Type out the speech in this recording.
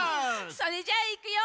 それじゃいくよ。